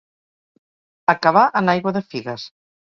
Acabar en aigua de figues.